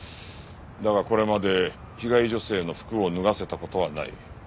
だがこれまで被害女性の服を脱がせた事はない。